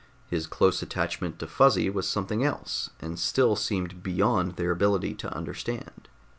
His close attachment to Fuzzy was something else, and still seemed beyond their ability to understand.